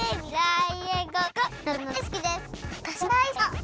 はい。